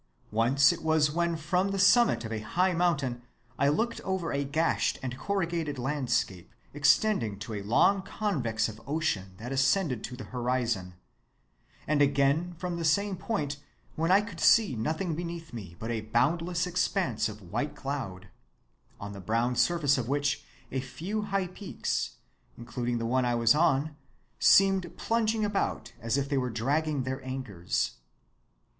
Once it was when from the summit of a high mountain I looked over a gashed and corrugated landscape extending to a long convex of ocean that ascended to the horizon, and again from the same point when I could see nothing beneath me but a boundless expanse of white cloud, on the blown surface of which a few high peaks, including the one I was on, seemed plunging about as if they were dragging their anchors.